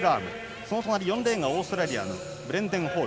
その隣、４レーンがオーストラリアのブレンデン・ホール。